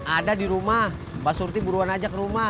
ada di rumah pak surti buruan aja ke rumah